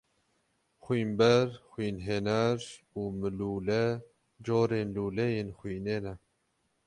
Xwînber, xwînhêner û mûlûle corên lûleyên xwînê ne.